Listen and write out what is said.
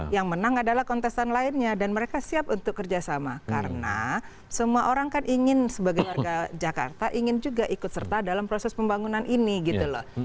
yang menang adalah kontestan lainnya dan mereka siap untuk kerjasama karena semua orang kan ingin sebagai warga jakarta ingin juga ikut serta dalam proses pembangunan ini gitu loh